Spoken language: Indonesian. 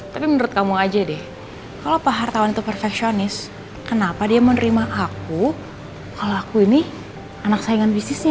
tapi menurut kamu aja deh kalau pak hartawan itu profesionis kenapa dia menerima aku kalau aku ini anak saingan bisnisnya